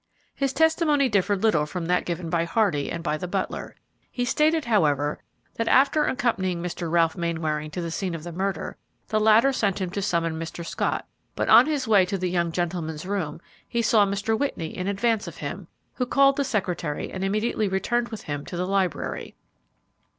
His testimony differed little from that given by Hardy and by the butler. He stated, however, that, after accompanying Mr. Ralph Mainwaring to the scene of the murder, the latter sent him to summon Mr. Scott; but on his way to the young gentleman's room he saw Mr. Whitney in advance of him, who called the secretary and immediately returned with him to the library.